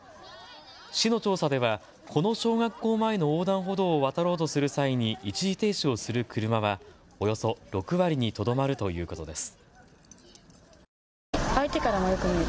市の調査ではこの小学校前の横断歩道を渡ろうとする際に一時停止をする車はおよそ６割にとどまるということです。